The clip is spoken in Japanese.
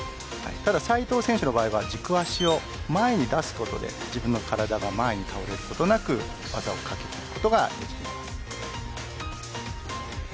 ただ、斉藤選手の場合は軸足を前に出すことで自分の体が前に倒れることなく技をかけきることができます。